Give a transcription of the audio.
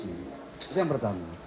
itu yang pertama